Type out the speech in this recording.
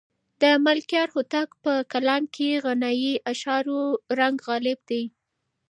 د ملکیار هوتک په کلام کې د غنایي اشعارو رنګ غالب دی.